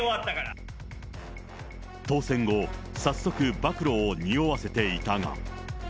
当選後、早速暴露をにおわせていたが。